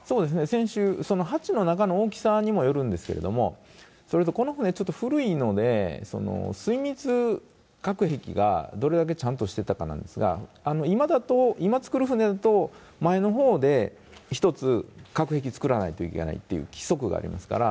船首、ハッチの中の大きさにもよるんですけれども、それと、この船、ちょっと古いので、すいみつ隔壁がどれだけちゃんとしてたかなんですが、今だと、今作る船だと、前のほうで一つ、隔壁を作らないといけないっていう規則がありますから。